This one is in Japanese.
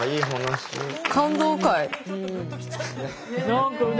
何かね